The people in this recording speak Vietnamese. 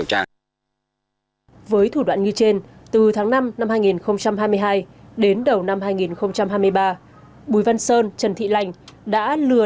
với thủ đoạn như trên từ tháng năm năm hai nghìn hai mươi hai đến đầu năm hai nghìn hai mươi ba bùi văn sơn trần thị lành đã lừa